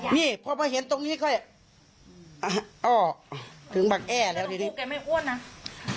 นี่พ่อพ่อเห็นตรงนี้เขาอ้อถึงบังแอแล้วเดี๋ยวนี้